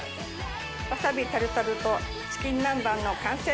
わさびタルタルとチキン南蛮の完成です。